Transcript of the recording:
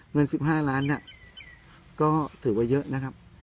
เงินสิบห้าร้านน่ะก็ถือว่าเยอะนะครับ